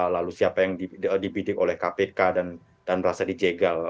lalu siapa yang dibidik oleh kpk dan merasa dijegal